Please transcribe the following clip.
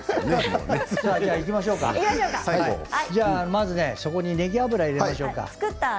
まずは、そこにねぎ油を入れましょうか。